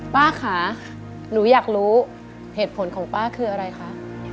ป้าค่ะหนูอยากรู้เหตุผลของป้าคืออะไรคะ